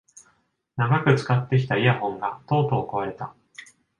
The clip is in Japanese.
長く使ってきたイヤホンがとうとう壊れた